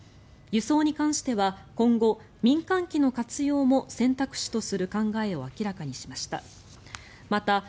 輸送に関しては今後、民間機の活用も選択肢とする考えを明らかにしました。